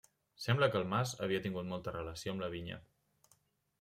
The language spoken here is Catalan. Sembla que el mas havia tingut molta relació amb la vinya.